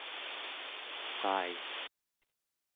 qai